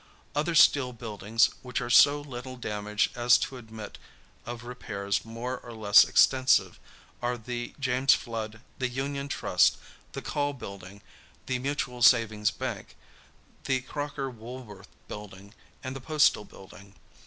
Other steel buildings which are so little damaged as to admit of repairs more or less extensive are the James Flood, the Union Trust, the CALL building, the Mutual Savings Bank, the Crocker Woolworth building and the Postal building.